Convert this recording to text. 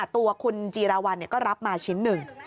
ตัวคุณจีราวัลก็รับมาชิ้นหนึ่ง